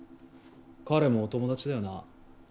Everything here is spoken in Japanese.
彼もお友達だよな？